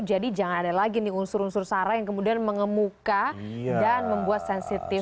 jadi jangan ada lagi nih unsur unsur sara yang kemudian mengemuka dan membuat sensitif